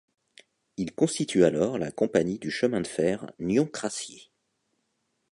Ils constituent alors la compagnie du chemin de fer Nyon-Crassier.